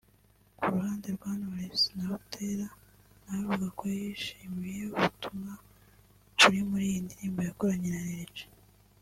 Ku ruhande rwa Knowless Butera nawe avuga ko yishimiye ubutumwa buri muri iyi ndirimbo yakoranye na Lil G